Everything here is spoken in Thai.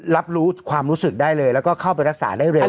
รับรู้ความรู้สึกได้เลยแล้วก็เข้าไปรักษาได้เร็ว